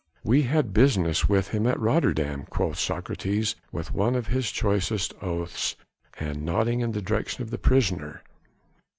"We had business with him at Rotterdam," quoth Socrates with one of his choicest oaths and nodding in the direction of the prisoner.